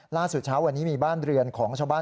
เช้าวันนี้มีบ้านเรือนของชาวบ้าน